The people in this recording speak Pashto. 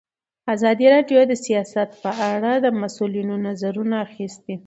ازادي راډیو د سیاست په اړه د مسؤلینو نظرونه اخیستي.